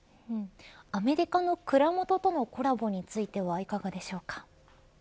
アメリカの蔵元とのコラボについてはいかがでしょうか。